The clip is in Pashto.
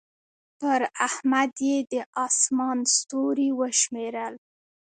پر احمد يې د اسمان ستوري وشمېرل.